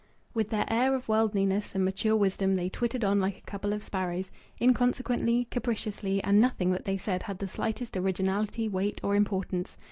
With their air of worldliness and mature wisdom they twittered on like a couple of sparrows inconsequently, capriciously; and nothing that they said had the slightest originality, weight, or importance.